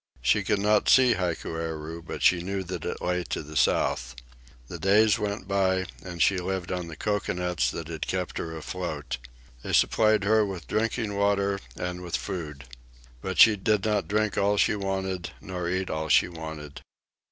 She could not see Hikueru, but she knew that it lay to the south. The days went by, and she lived on the cocoanuts that had kept her afloat. They supplied her with drinking water and with food. But she did not drink all she wanted, nor eat all she wanted.